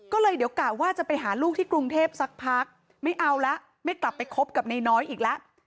ก็เลยเดี๋ยวกะว่าจะไปหาลูกที่กรุงเทพสักพักไม่เอาละไม่กลับไปคบกับนายน้อยอีกแล้ว